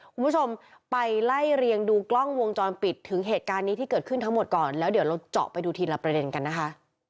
คุณผู้ชมไปไล่เรียงดูกล้องวงจรปิดถึงเหตุการณ์นี้ที่เกิดขึ้นทั้งหมดก่อนแล้วเดี๋ยวเราเจาะไปดูทีละประเด็นกันนะคะ